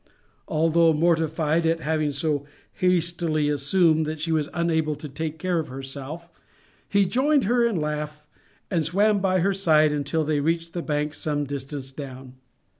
Although mortified at having so hastily assumed that she was unable to take care of herself he joined in her laugh, and swam by her side until they reached the bank some distance down.